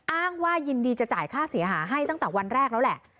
อ้างว่ายินดีจะจ่ายค่าเสียหายให้ตั้งแต่วันแรกแล้วแหละ